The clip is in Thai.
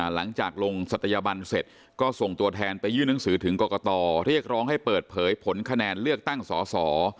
หลังจากลงศัตยบันเสร็จก็ส่งตัวแทนไปยื่นหนังสือถึงกรกตเรียกร้องให้เปิดเผยผลคะแนนเลือกตั้งสอสอ